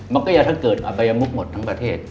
มันก็จะเกิดอับบายมุกหมดทั้งประเทศ